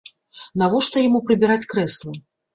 Навошта яму прыбіраць крэсла?